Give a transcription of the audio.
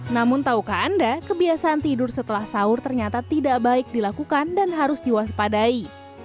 namun tahukah anda kebiasaan tidur setelah sahur ternyata tidak baik dilakukan dan harus diwaspadai